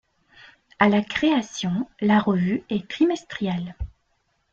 À la création, la revue est trimestrielle.